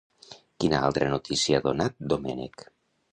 Quina altra notícia ha donat Domènech?